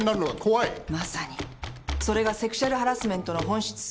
まさにそれがセクシャルハラスメントの本質。